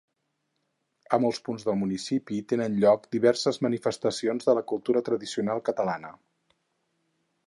A molts punts del municipi tenen lloc diverses manifestacions de la cultura tradicional catalana.